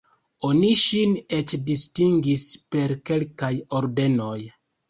Oni ŝin eĉ distingis per kelkaj ordenoj.